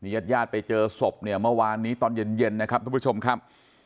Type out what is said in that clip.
ญาติญาติไปเจอศพเนี่ยเมื่อวานนี้ตอนเย็นนะครับทุกผู้ชมครับ